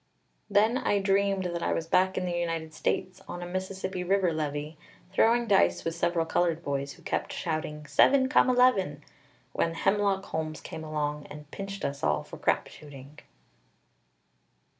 Then I dreamed that I was back in the United States, on a Mississippi River levee, throwing dice with several colored boys, who kept shouting: "Seven, come eleven!" when Hemlock Holmes came along and pinched us all for crap shooting!